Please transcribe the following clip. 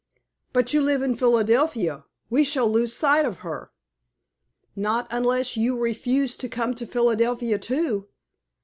"But you live in Philadelphia. We shall lose sight of her." "Not unless you refuse to come to Philadelphia, too."